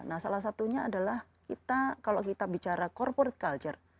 nah salah satunya adalah kita kalau kita bicara corporate culture